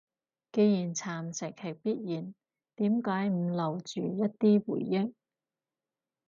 既然蠶蝕係必然，點解唔留住一啲回憶？